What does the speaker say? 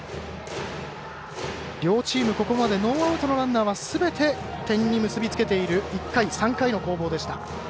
両チーム、ここまでノーアウトのランナーはすべて点に結び付けている１回３回の攻防でした。